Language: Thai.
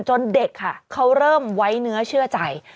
เด็กค่ะเขาเริ่มไว้เนื้อเชื่อใจ